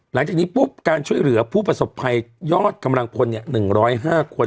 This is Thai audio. หลังจากนี้ปุ๊บการช่วยเหลือผู้ประสบภัยยอดกำลังพล๑๐๕คน